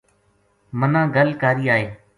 منا گل کاری آئے ‘‘